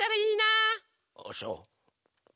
ああそう。